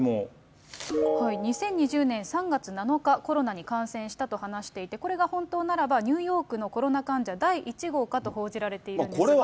２０２０年３月７日、コロナに感染したと話していて、これが本当ならば、ニューヨークのコロナ患者第１号かと報じられているんですが。